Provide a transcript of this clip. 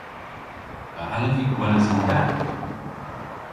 A allav vy gweles an gath?